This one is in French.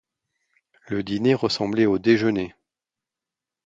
Le dîner ressemblait au déjeuner.